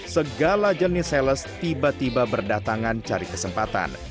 segala jenis sales tiba tiba berdatangan cari kesempatan